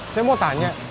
saya mau tanya